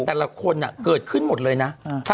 แต่ละคนเกิดขึ้นหมดเลยนะ